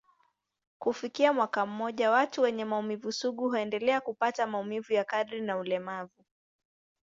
Kufikia mwaka mmoja, watu wenye maumivu sugu huendelea kupata maumivu ya kadri na ulemavu.